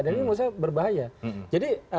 dan ini menurut saya berbahaya jadi